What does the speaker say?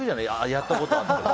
やったことあるけど。